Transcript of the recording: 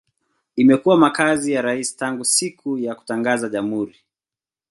Imekuwa makazi ya rais tangu siku ya kutangaza jamhuri.